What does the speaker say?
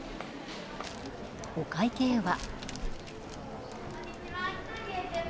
お会計は。